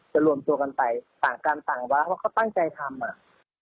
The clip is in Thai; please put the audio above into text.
จะรวมตัวกันไปต่างกันต่างว่าเพราะเขาตั้งใจทำ